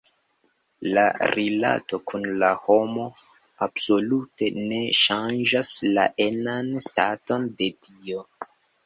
La rilato kun la homo absolute ne ŝanĝas la enan staton de Dio.